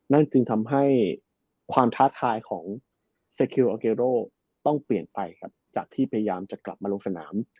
นั่นจึงทำให้ความท้าทายของเซคิโลเกโรต้องเปลี่ยนไปครับจากที่พยายามจะกลับมาลงสนาม